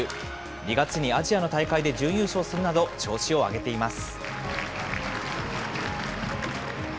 ２月にアジアの大会で準優勝するなど、調子を上げています。